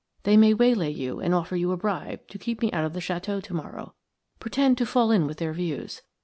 They may waylay you and offer you a bribe to keep me out of the château to morrow. Pretend to fall in with their views.